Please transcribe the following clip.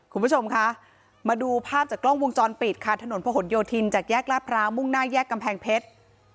คุณผู้ชมคะมาดูภาพจากกล้องวงจรปิดค่ะถนนพระหลโยธินจากแยกลาดพร้าวมุ่งหน้าแยกกำแพงเพชร